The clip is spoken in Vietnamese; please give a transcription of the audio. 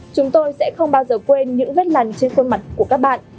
chúng tôi sẽ không bao giờ quên những vết lằn trên khuôn mặt của các bạn